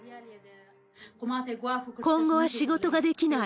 今後は仕事ができない。